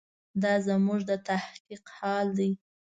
دا زموږ د تحقیق حال دی.